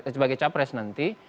sebagai capres nanti